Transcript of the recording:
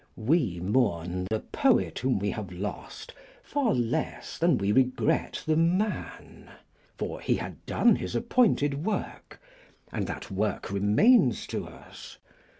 We mourn the poet whom we have lost far less than we regret the man: for he had done his appointed work; and that work remains to us.